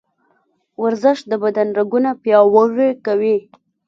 ورزش د بدن رګونه پیاوړي کوي.